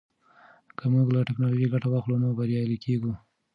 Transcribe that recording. که موږ له ټیکنالوژۍ ګټه واخلو نو بریالي کیږو.